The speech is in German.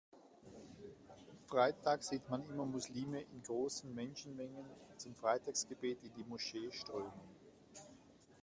Freitags sieht man immer Muslime in großen Menschenmengen zum Freitagsgebet in die Moschee strömen.